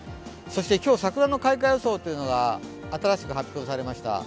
そして今日、桜の開花予想というのが新しく発表されました。